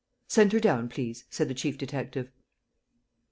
"Send her down, please," said the chief detective.